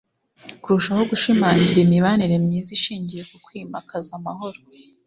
Kurushaho gushimangira imibanire myiza ishingiye ku kwimakaza amahoro